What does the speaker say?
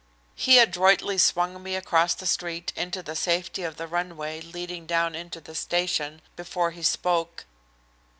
He adroitly swung me across the street into the safety of the runway leading down into the station before he spoke.